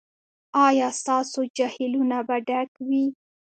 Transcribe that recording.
ایا ستاسو جهیلونه به ډک وي؟